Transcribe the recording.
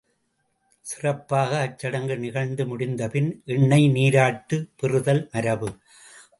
சிறப்பாக அச் சடங்கு நிகழ்ந்து முடிந்தபின், எண்ணெய் நீராட்டுப் பெறுதல் மரபு.